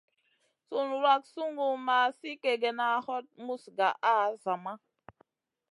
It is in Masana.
Sùn wrak sungu ma sli kègèna, hot muz gaʼa a zama.